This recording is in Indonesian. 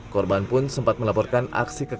korban pun sempat melaporkan aksi kekerasan